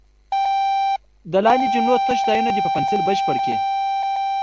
د لاندې جملو تش ځایونه دې په پنسل بشپړ کړي.